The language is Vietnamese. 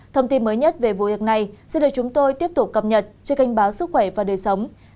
thông tin mới nhất về vụ việc này sẽ được chúng tôi tiếp tục cập nhật trên kênh báo sức khỏe và đời sống